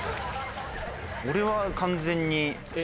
俺は完全に。